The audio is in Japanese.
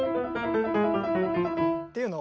っていうのを。